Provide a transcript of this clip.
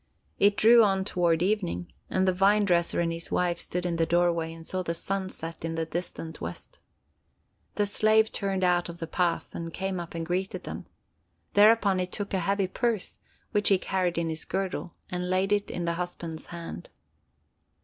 It drew on toward evening, and the vine dresser and his wife stood in the doorway and saw the sun set in the distant west. The slave turned out of the path, and came up and greeted them. Thereupon he took a heavy purse, which he carried in his girdle, and laid it in the husband's hand.